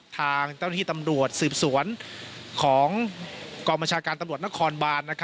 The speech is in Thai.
ทางเจ้าหน้าที่ตำรวจสืบสวนของกองบัญชาการตำรวจนครบาน